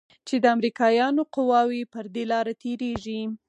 چې د امريکايانو قواوې پر دې لاره تېريږي.